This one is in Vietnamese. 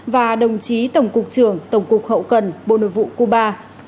và đồng chí tổng cục trưởng tổng cục hậu cần bộ nội vụ cuba